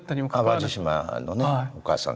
淡路島のねお母さんが。